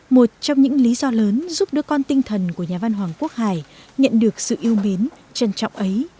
một trong những lý do lớn giúp đứa con tinh thần của nhà văn hoàng quốc hải nhận được sự yêu mến trân trọng ấy